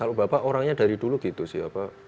kalau bapak orangnya dari dulu gitu sih